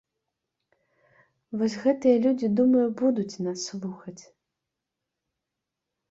Вось гэтыя людзі, думаю, будуць нас слухаць.